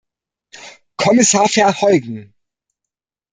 Kommissar Verheugen!